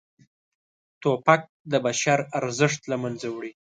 توپک د بشر ارزښت له منځه وړي.